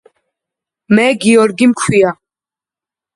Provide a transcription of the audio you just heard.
მე გიორგი მქვია